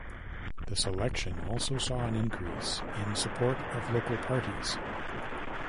This election also saw an increase in support of local parties.